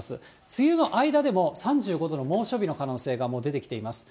梅雨の間でも、３５度の猛暑日の日が出てきています。